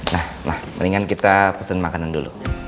nah mendingan kita pesen makanan dulu